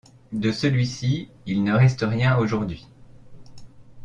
De celui-ci, il ne reste rien aujourd’hui.